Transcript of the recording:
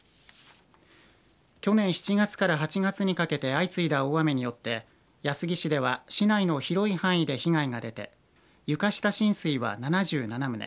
去年７月から８月にかけて相次いだ大雨によって安来市では市内の広い範囲で被害が出て床下浸水は７７棟